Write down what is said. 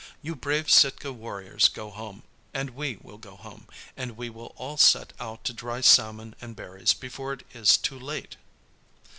You brave Sitka warriors go home, and we will go home, and we will all set out to dry salmon and berries before it is too late."